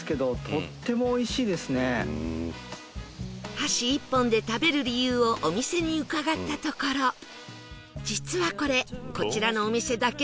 箸１本で食べる理由をお店に伺ったところ実はこれこちらのお店だけではなく